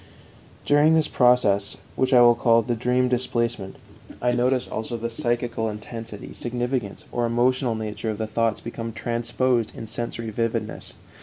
During this process, which I will call the dream displacement, I notice also the psychical intensity, significance, or emotional nature of the thoughts become transposed in sensory vividness.